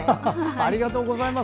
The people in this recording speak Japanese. ありがとうございます。